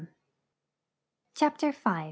CHAPTER V.